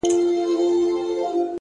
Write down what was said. پوهه د ذهن تیاره کونجونه روښانوي،